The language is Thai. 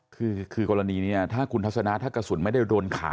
คือกรณีนี้ถ้าคุณทัศนะถ้ากระสุนไม่ได้โดนขา